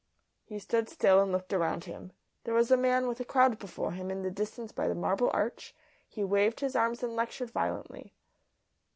He stood still and looked around him. There was a man with a crowd before him in the distance by the Marble Arch; he waved his arms and lectured violently.